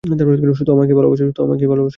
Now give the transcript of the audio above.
শুধু আমাকেই ভালোবাসে ও!